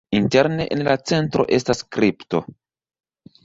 Interne en la centro estas kripto.